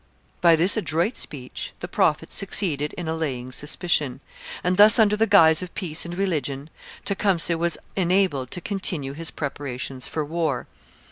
By this adroit speech the Prophet succeeded in allaying suspicion, and thus under the guise of peace and religion Tecumseh was enabled to continue his preparations for war.